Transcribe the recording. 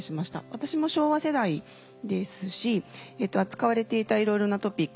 私も昭和世代ですし扱われていたいろいろなトピック。